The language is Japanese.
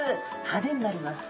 派手になります。